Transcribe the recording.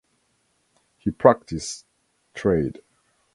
He practiced trade.